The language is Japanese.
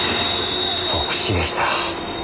即死でした。